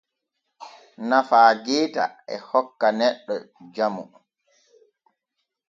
Nafa geeta e hokka neɗɗo jamu.